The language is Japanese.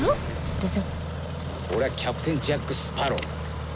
どうぞ俺はキャプテン・ジャック・スパロウ。